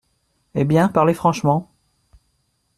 »Eh bien, parlez franchement.